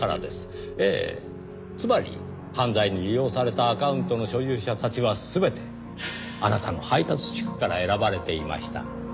ええつまり犯罪に利用されたアカウントの所有者たちは全てあなたの配達地区から選ばれていました。